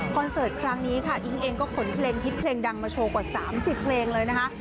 เสิร์ตครั้งนี้ค่ะอิ๊งเองก็ขนเพลงฮิตเพลงดังมาโชว์กว่า๓๐เพลงเลยนะคะ